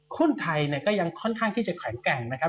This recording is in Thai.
หุ้นไทยเนี่ยก็ยังค่อนข้างที่จะแข็งแกร่งนะครับ